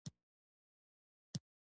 ښکاري د شیدو څاروی نه دی.